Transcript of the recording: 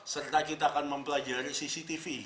serta kita akan mempelajari cctv